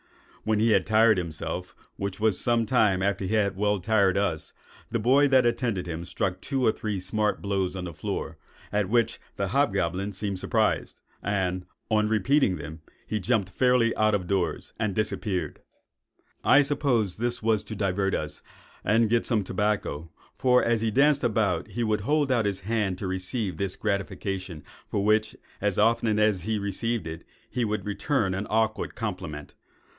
When he had tired himself, (which was some time after he had well tired us,) the boy that attended him struck two or three smart blows on the floor, at which the hobgoblin seemed surprised; and, on repeating them, he jumped fairly out of doors and disappeared. "I suppose this was to divert us, and get some tobacco; for, as he danced about, he would hold out his hand to receive this gratification, for which, as often as he received it, he would return an awkward compliment.